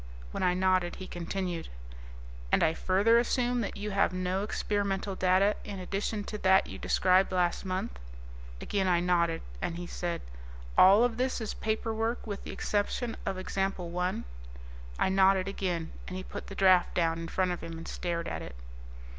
When I nodded he continued, "And I further assume that you have no experimental data in addition to that you described last month?" Again I nodded, and he said, "All of this is paperwork with the exception of Example I?" I nodded again, and he put the draft down in front of him and stared at it.